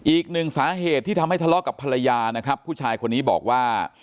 อีกหนึ่งสาเหตุที่ทำให้ทะเลาะกับภรรยานะครับผู้ชายคนนี้บอกว่า